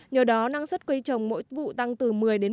nhờ đó năng suất quây trồng mỗi vụ tăng từ một mươi một mươi hai